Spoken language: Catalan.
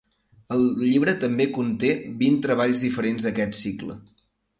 El llibre també conté vint treballs diferents d"aquest cicle.